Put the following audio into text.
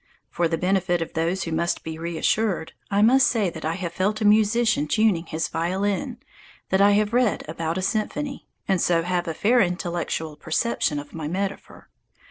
(For the benefit of those who must be reassured, I will say that I have felt a musician tuning his violin, that I have read about a symphony, and so have a fair intellectual perception of my metaphor.)